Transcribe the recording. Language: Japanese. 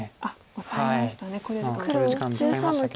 オサえましたね。